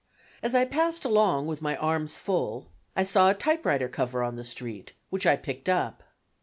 As I passed along with my arms full I saw a typewriter cover on the street, which I picked up.